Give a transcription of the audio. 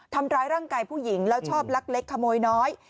ทำร้ายร่างกายผู้หญิงแล้วชอบลักเล็กขโมยน้อย